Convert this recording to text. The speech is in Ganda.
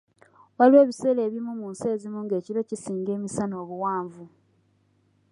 Waliwo ebiseera ebimu mu nsi ezimu nga ekiro kisinga emisana obuwanvu.